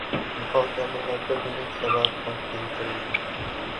Muhokamalarda buning sababi ham keltirildi.